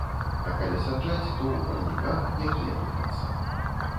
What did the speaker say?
А калі саджаць, то ў парніках, якія топяцца.